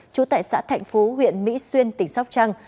chú tại xã thành phố huyện mỹ xuyên tỉnh sóc trăng